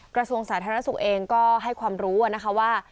กระทรวงสาธารณสุขเองก็ให้ความรู้นะคะว่า